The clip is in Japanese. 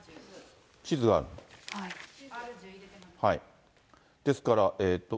地図があるの？ですから。